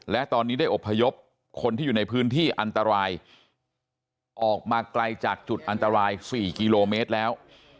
และตอนนี้ได้อบพยพคนที่อยู่ในพื้นที่อันตรายออกมาไกลจากจุดอันตราย๔กิโลเมตรแล้ว